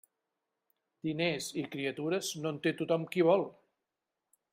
Diners i criatures, no en té tothom qui vol.